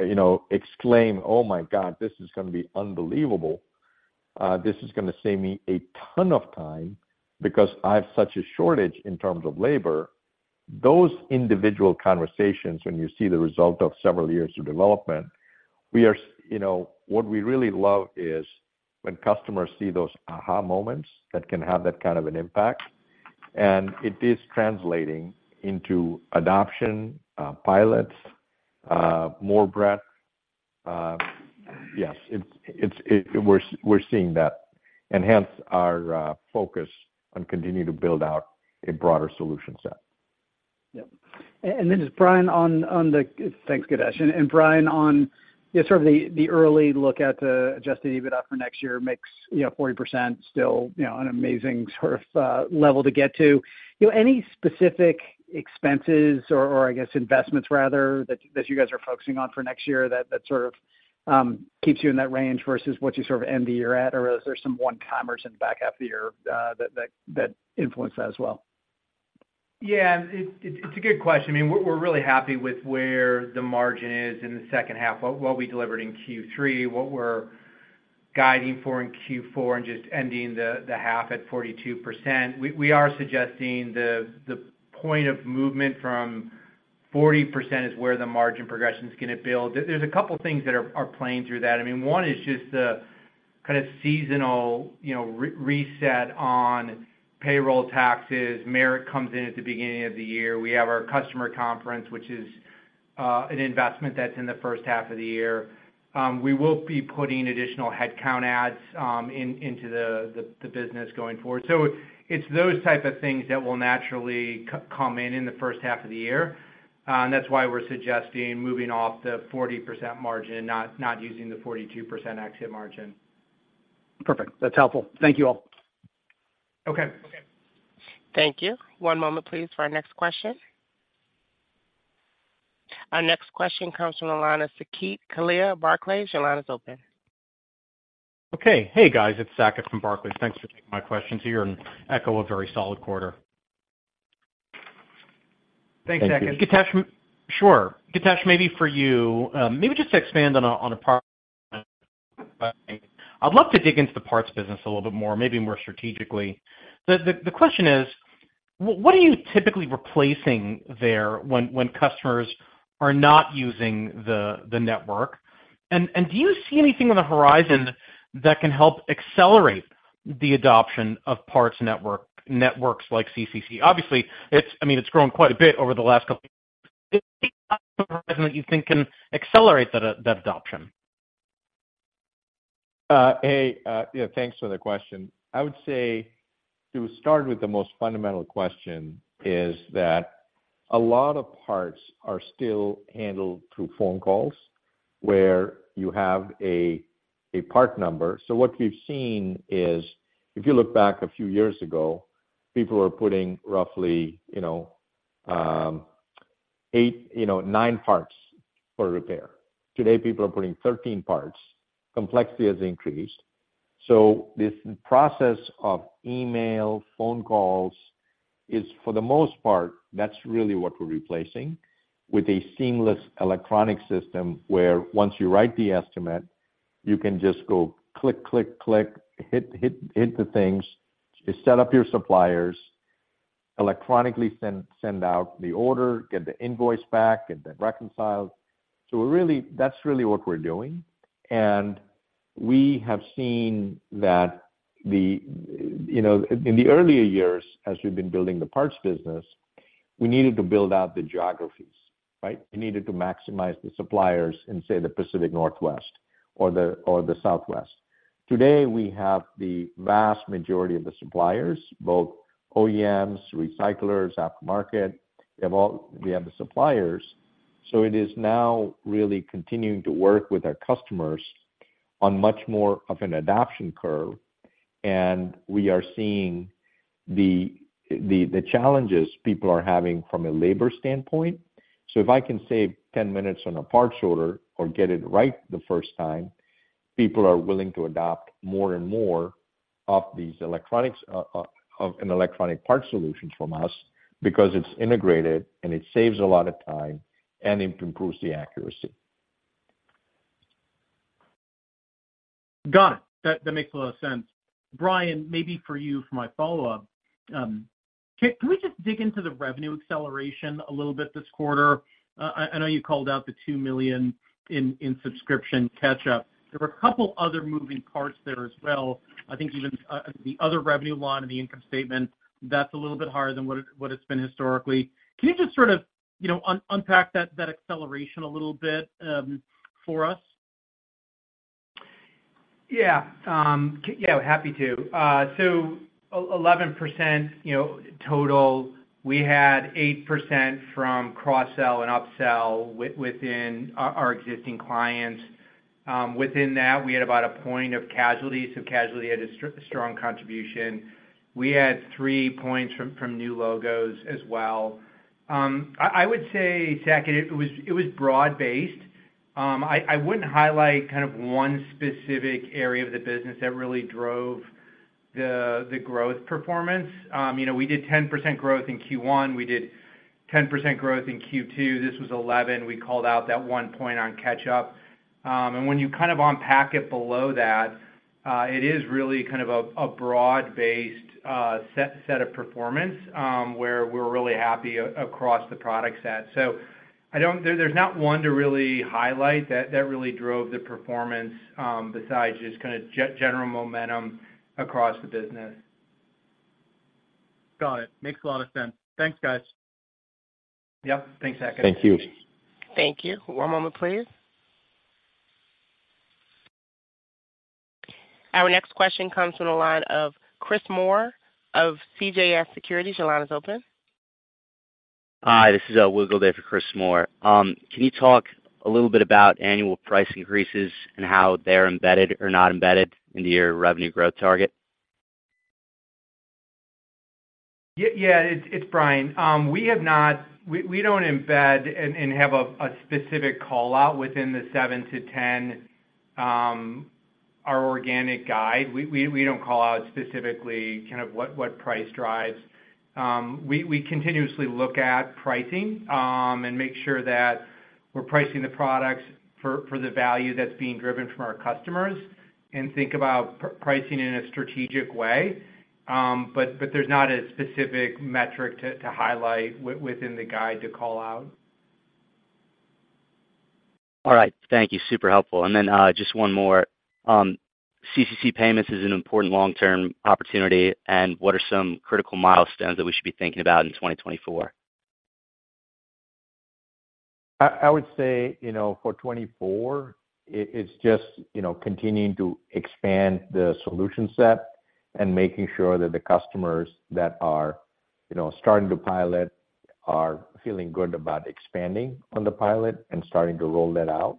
you know, exclaim, "Oh, my God, this is gonna be unbelievable. This is gonna save me a ton of time because I have such a shortage in terms of labor." Those individual conversations when you see the result of several years of development, we are. You know, what we really love is when customers see those aha moments that can have that kind of an impact, and it is translating into adoption, pilots, more breadth. Yes, it's. We're seeing that, and hence our focus on continuing to build out a broader solution set. Yeah. And this is Brian on the--thanks, Githesh. And Brian, on sort of the early look at the adjusted EBITDA for next year makes, you know, 40% still, you know, an amazing sort of level to get to. You know, any specific expenses or, or I guess, investments rather, that you guys are focusing on for next year that sort of keeps you in that range versus what you sort of end the year at? Or is there some one-timers in the back half of the year that influence that as well? Yeah, it's a good question. I mean, we're really happy with where the margin is in the second half, what we delivered in Q3, what we're guiding for in Q4, and just ending the half at 42%. We are suggesting the point of movement from 40% is where the margin progression is gonna build. There's a couple of things that are playing through that. I mean, one is just the kind of seasonal, you know, reset on payroll taxes. Merit comes in at the beginning of the year. We have our customer conference, which is an investment that's in the first half of the year. We will be putting additional headcount adds into the business going forward. So it's those type of things that will naturally come in in the first half of the year. That's why we're suggesting moving off the 40% margin, not using the 42% exit margin. Perfect. That's helpful. Thank you all. Okay. Thank you. One moment please, for our next question. Our next question comes from the line of Saket Kalia, Barclays. Your line is open. Okay. Hey, guys, it's Saket from Barclays. Thanks for taking my questions here, and echo a very solid quarter. Thanks, Saket. Sure. Githesh, maybe for you, maybe just to expand on a part. I'd love to dig into the parts business a little bit more, maybe more strategically. The question is: What are you typically replacing there when customers are not using the network? And do you see anything on the horizon that can help accelerate the adoption of parts networks like CCC? Obviously, it's—I mean, it's grown quite a bit over the last couple that you think can accelerate that adoption. Thanks for the question. I would say, to start with the most fundamental question is that a lot of parts are still handled through phone calls, where you have a part number. So what you've seen is, if you look back a few years ago, people were putting roughly, you know, eight, you know, nine parts per repair. Today, people are putting 13 parts. Complexity has increased. So this process of email, phone calls is, for the most part, that's really what we're replacing with a seamless electronic system, where once you write the estimate, you can just go click, click, click, hit, hit, hit the things, set up your suppliers, electronically send out the order, get the invoice back, get that reconciled. So really, that's really what we're doing. And we have seen that the... You know, in the earlier years, as we've been building the parts business, we needed to build out the geographies, right? We needed to maximize the suppliers in, say, the Pacific Northwest or the Southwest. Today, we have the vast majority of the suppliers, both OEMs, recyclers, aftermarket. We have all, we have the suppliers. So it is now really continuing to work with our customers on much more of an adoption curve, and we are seeing the challenges people are having from a labor standpoint. So if I can save 10 minutes on a parts order or get it right the first time, people are willing to adopt more and more of these electronics of an electronic parts solutions from us because it's integrated, and it saves a lot of time, and it improves the accuracy. Got it. That, that makes a lot of sense. Brian, maybe for you, for my follow-up, can we just dig into the revenue acceleration a little bit this quarter? I, I know you called out the $2 million in, in subscription catch up. There were a couple other moving parts there as well. I think even, the other revenue line in the income statement, that's a little bit higher than what it, what it's been historically. Can you just sort of, you know, unpack that, that acceleration a little bit, for us? Yeah, yeah, happy to. So 11%, you know, total, we had 8% from cross-sell and upsell within our existing clients. Within that, we had about one point of casualty, so casualty had a strong contribution. We had three points from new logos as well. I would say, Saket, it was broad-based. I wouldn't highlight kind of one specific area of the business that really drove the growth performance. You know, we did 10% growth in Q1. We did 10% growth in Q2. This was 11. We called out that one point on catch-up. And when you kind of unpack it below that, it is really kind of a broad-based set of performance, where we're really happy across the product set. There's not one to really highlight that really drove the performance, besides just kind of general momentum across the business. Got it. Makes a lot of sense. Thanks, guys. Yep. Thanks, Saket. Thank you. Thank you. One moment, please.... Our next question comes from the line of Chris Moore of CJS Securities. Your line is open. Hi, this is Will, here for Chris Moore. Can you talk a little bit about annual price increases and how they're embedded or not embedded into your revenue growth target? Yeah, it's Brian. We don't embed and have a specific call-out within the seven-10, our organic guide. We don't call out specifically kind of what price drives. We continuously look at pricing, and make sure that we're pricing the products for the value that's being driven from our customers and think about pricing in a strategic way. But there's not a specific metric to highlight within the guide to call out. All right. Thank you. Super helpful. And then, just one more. CCC Payments is an important long-term opportunity, and what are some critical milestones that we should be thinking about in 2024? I would say, you know, for 2024, it's just, you know, continuing to expand the solution set and making sure that the customers that are, you know, starting to pilot are feeling good about expanding on the pilot and starting to roll that out,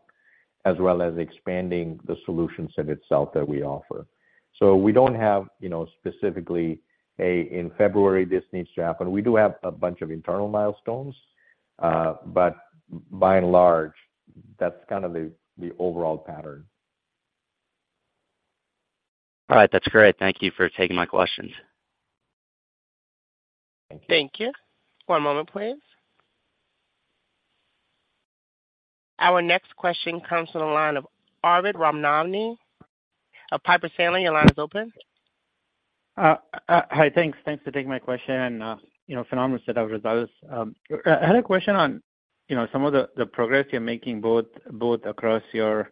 as well as expanding the solution set itself that we offer. So we don't have, you know, specifically a, "In February, this needs to happen." We do have a bunch of internal milestones, but by and large, that's kind of the overall pattern. All right. That's great. Thank you for taking my questions. Thank you. One moment, please. Our next question comes from the line of Arvind Ramnani of Piper Sandler. Your line is open. Hi. Thanks. Thanks for taking my question and, you know, phenomenal set of results. I had a question on, you know, some of the progress you're making both across your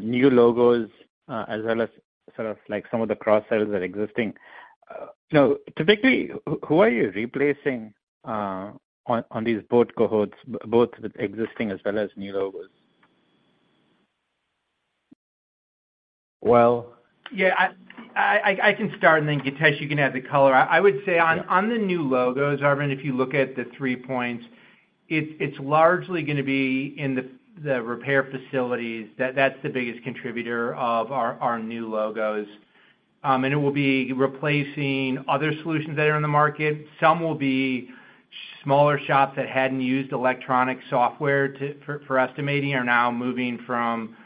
new logos as well as sort of like some of the cross sells that are existing. Now, typically, who are you replacing on these both cohorts, both with existing as well as new logos? Well... Yeah, I can start, and then, Githesh, you can add the color. I would say on- Yeah On the new logos, Arvind, if you look at the three points, it's largely gonna be in the repair facilities. That's the biggest contributor of our new logos. And it will be replacing other solutions that are in the market. Some will be smaller shops that hadn't used electronic software for estimating, are now moving from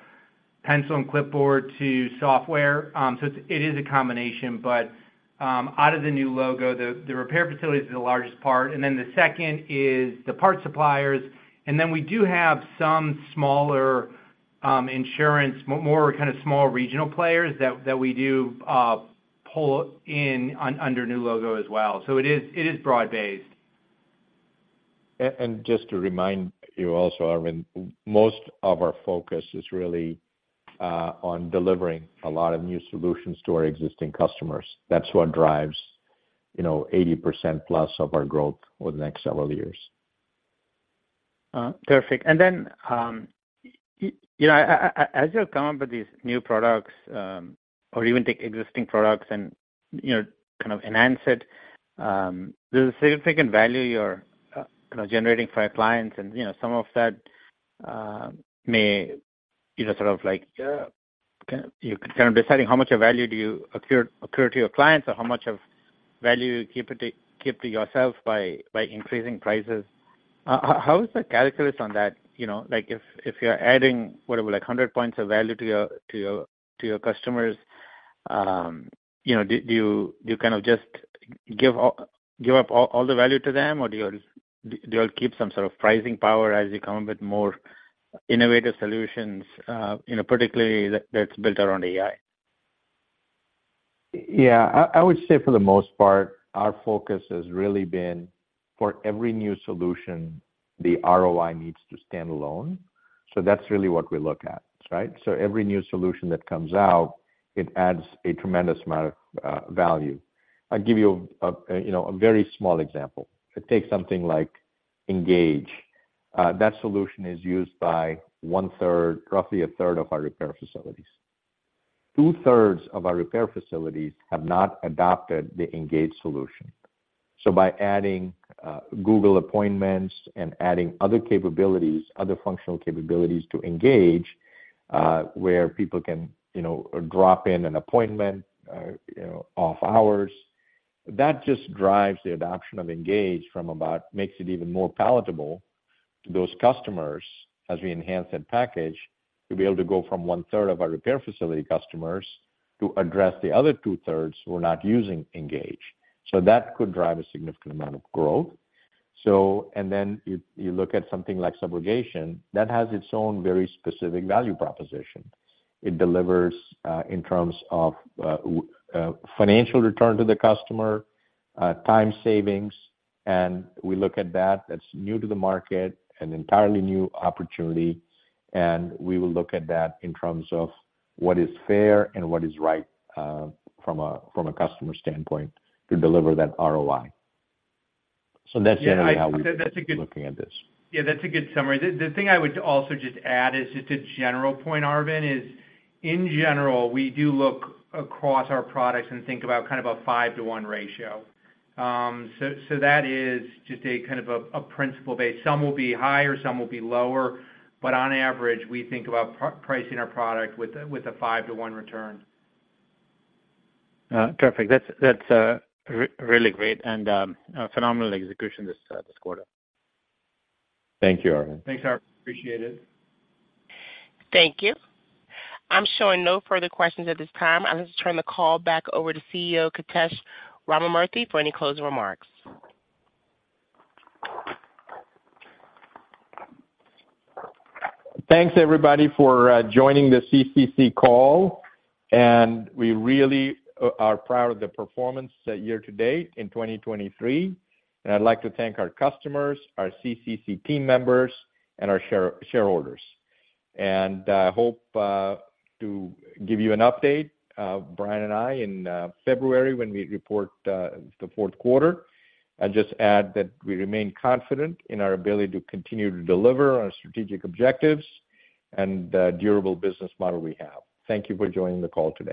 pencil and clipboard to software. So it is a combination. But out of the new logo, the repair facilities is the largest part, and then the second is the parts suppliers. And then we do have some smaller insurance, more kind of small regional players that we do pull in under new logo as well. So it is broad-based. Just to remind you also, Arvind, most of our focus is really on delivering a lot of new solutions to our existing customers. That's what drives, you know, 80%+ of our growth over the next several years. Terrific. And then, you know, as you're coming up with these new products, or even take existing products and, you know, kind of enhance it, there's a significant value you're, you know, generating for our clients, and, you know, some of that, may, you know, sort of like- Yeah You kind of deciding how much of value do you accrue to your clients, or how much of value you keep to yourself by increasing prices. How is the calculus on that? You know, like, if you're adding, what, like 100 points of value to your customers, you know, do you kind of just give up all the value to them, or do you keep some sort of pricing power as you come up with more innovative solutions, you know, particularly that's built around AI? Yeah. I would say for the most part, our focus has really been, for every new solution, the ROI needs to stand alone. So that's really what we look at, right? So every new solution that comes out, it adds a tremendous amount of value. I'll give you a you know, a very small example. It takes something like Engage. That solution is used by 1/3, roughly a third of our repair facilities. Two-thirds of our repair facilities have not adopted the Engage solution. So by adding Google appointments and adding other capabilities, other functional capabilities to Engage, where people can, you know, drop in an appointment, you know, off hours, that just drives the adoption of Engage from about... Makes it even more palatable to those customers as we enhance that package, to be able to go from 1/3 of our repair facility customers to address the other 2/3 who are not using Engage. So that could drive a significant amount of growth. So, and then you look at something like subrogation, that has its own very specific value proposition. It delivers, in terms of, financial return to the customer, time savings, and we look at that, that's new to the market, an entirely new opportunity, and we will look at that in terms of what is fair and what is right, from a customer standpoint to deliver that ROI. So that's generally how we- Yeah, that's a good- Looking at this. Yeah, that's a good summary. The thing I would also just add is, just a general point, Arvind, is in general, we do look across our products and think about kind of a 5:1 ratio. So that is just a kind of a principle base. Some will be higher, some will be lower, but on average, we think about pricing our product with a five-one return. Terrific. That's really great and a phenomenal execution this quarter. Thank you, Arvind. Thanks, Arvind. Appreciate it. Thank you. I'm showing no further questions at this time. I'll just turn the call back over to CEO Githesh Ramamurthy for any closing remarks. Thanks, everybody, for joining the CCC call, and we really are proud of the performance year to date in 2023. I'd like to thank our customers, our CCC team members, and our shareholders. I hope to give you an update, Brian and I, in February, when we report the fourth quarter. I'd just add that we remain confident in our ability to continue to deliver on our strategic objectives and the durable business model we have. Thank you for joining the call today.